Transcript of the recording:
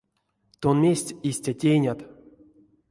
Тон мезть истя тейнят?